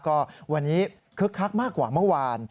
ก็วันนี้คึกคักมากกว่าเมื่อวาน